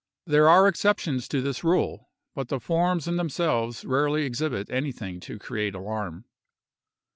There are exceptions to this rule,—but the forms in themselves rarely exhibit anything to create alarm.